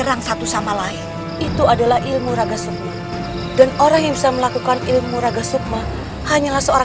aku tahu dimana tempat untuk menikmati bulan itu